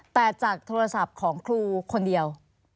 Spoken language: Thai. แต่จากโทรศัพท์ของครูคนเดียว